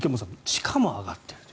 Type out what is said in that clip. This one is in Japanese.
地価も上がっていると。